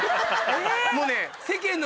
もうね。